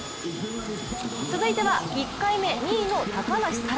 続いては、１回目２位の高梨沙羅。